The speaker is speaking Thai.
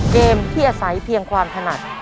เกมที่อาศัยเพียงความถนัด